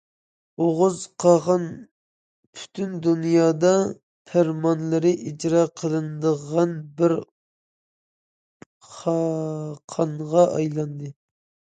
ئوغۇز قاغان پۈتۈن دۇنيادا پەرمانلىرى ئىجرا قىلىنىدىغان بىر خاقانغا ئايلاندى.